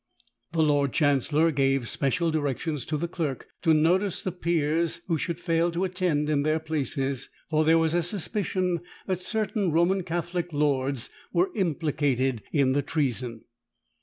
The lord chancellor gave special directions to the clerk to notice the peers who should fail to attend in their places; for there was a suspicion that certain Roman Catholic lords were implicated in the treason.